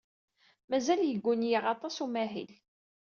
Mazal yegguni-aɣ aṭas n umahil.